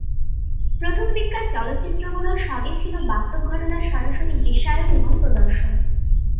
প্রথম দিককার চলচ্চিত্রগুলো সবই ছিল বাস্তব ঘটনার সরাসরি দৃশ্যায়ন এবং প্রদর্শন।